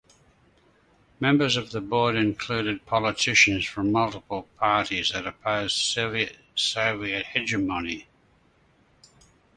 Members of the Board included politicians from multiple parties that opposed "Soviet hegemony".